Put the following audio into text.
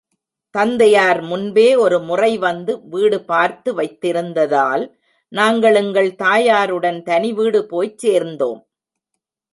தந்தையார் முன்பே ஒரு முறை வந்து வீடு பார்த்து வைத்திருந்ததால் நாங்கள் எங்கள் தாயாருடன் தனிவீடு போய்ச் சேர்ந்தோம்.